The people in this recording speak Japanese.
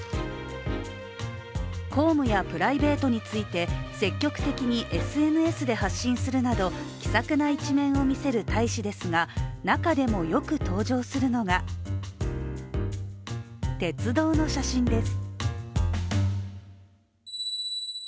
公務やプライベートについて積極的にＳＮＳで発信するなど気さくな一面を見せる大使ですが中でもよく登場するのが、鉄道の写真です。